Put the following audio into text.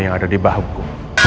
yang ada di dalamku